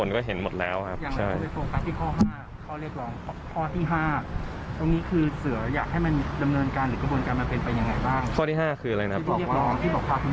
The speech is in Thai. ที่บอกพาคุณแม่ไป